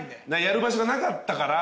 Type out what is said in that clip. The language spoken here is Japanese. やる場所がなかったから。